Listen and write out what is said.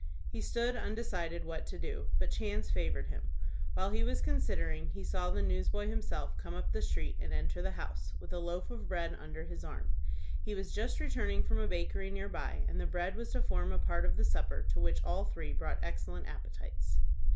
He stood undecided what to do; but chance favored him. While he was considering, he saw the newsboy himself come up the street and enter the house, with a loaf of bread under his arm. He was just returning from a bakery near by, and the bread was to form a part of the supper to which all three brought excellent appetites.